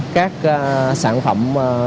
các sản phẩm